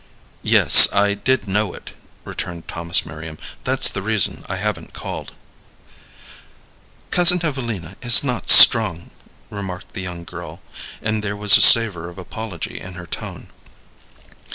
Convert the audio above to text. "Yes, I did know it," returned Thomas Merriam; "that's the reason I haven't called." "Cousin Evelina is not strong," remarked the young girl, and there was a savor of apology in her tone.